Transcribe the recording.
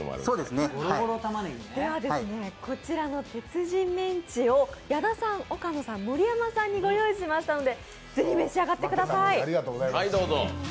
こちらの鉄人メンチを矢田さん、岡野さん、盛山さんにご用意しましたのでぜひ召し上がってください。